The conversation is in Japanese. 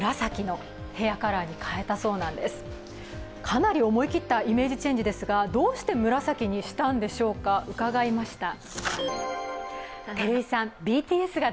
かなり思い切ったイメージチェンジですがどうして紫にしたんでしょうか伺いました。